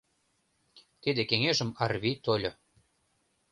Тиде кеҥежым Арви тольо.